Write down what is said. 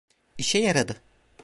İşe yaradı.